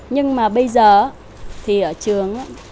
nhưng mà bây giờ thì ở trường